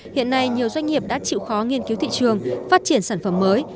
hiện nay nhiều doanh nghiệp đã chịu khó nghiên cứu thị trường phát triển sản phẩm mới